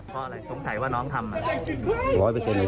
พ่ออะไรสงสัยว่าน้องทำ